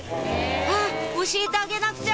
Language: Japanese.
「あっ教えてあげなくちゃ！」